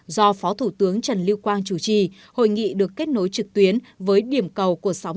do phó thủ tướng trần lưu quang chủ trì hội nghị được kết nối trực tuyến với điểm cầu của sáu mươi